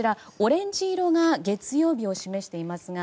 オレンジ色が月曜日を示しています。